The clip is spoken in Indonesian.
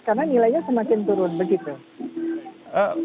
karena nilainya semakin turun begitu